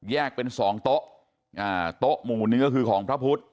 เป็นสองโต๊ะโต๊ะหมู่หนึ่งก็คือของพระพุทธ